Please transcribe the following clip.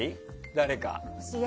誰か。